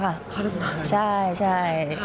เข้าโรงพยาบาลใช่ใช่